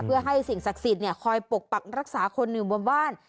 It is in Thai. เพื่อให้สิ่งศักดิ์สิทธิ์คอยปกปักรักษาคนหนึ่งบนบ้าน